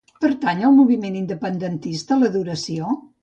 Pertany al moviment independentista l'Adoració?